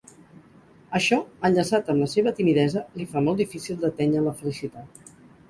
Això, enllaçat amb la seva timidesa, li fa molt difícil d'atènyer la felicitat.